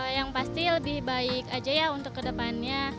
yang pasti lebih baik aja ya untuk kedepannya